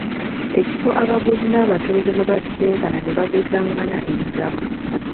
Ekifo abaguzi n'abatunzi mwe basisinkana ne baguzangana emigabo.